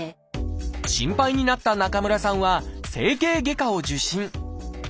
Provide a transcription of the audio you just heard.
心配になった中村さんは整形外科を受診。